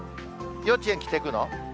幼稚園着てくの？